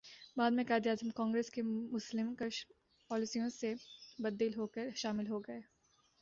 بعد میں قائداعظم کانگریس کی مسلم کش پالیسیوں سے بددل ہوکر شامل ہوگئے